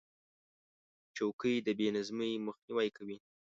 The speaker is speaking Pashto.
چوکۍ د بې نظمۍ مخنیوی کوي.